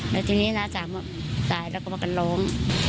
แล้วทีนี้น้าสาวตายแล้วก็มากันร้อง